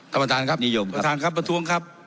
ท่านประธานครับนิยมประธานครับประท้วงครับ